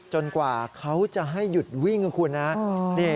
กว่าเขาจะให้หยุดวิ่งนะคุณนะ